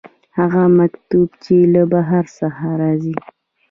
هغه مکتوب چې له بهر څخه راځي.